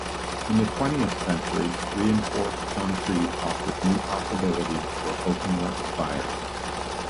In the twentieth century reinforced concrete offered new possibilities for openwork spires.